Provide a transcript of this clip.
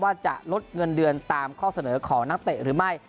ว่าจะลดเงินเดือนตามข้อเสนอของนักเตะหรือไม่